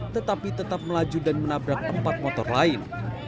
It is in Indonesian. tetapi tetap melaju dan menabrak empat motor lain